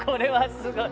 すごい。